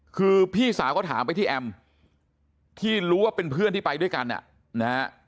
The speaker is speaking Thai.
คือพี่สาวก็ถามไปที่แอมที่รู้ว่าเป็นเพื่อนที่ไปด้วยกันนะฮะ